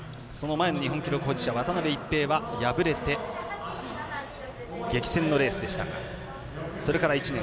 その前の日本記録保持者渡辺一平は破れて激戦のレースでしたがそれから１年。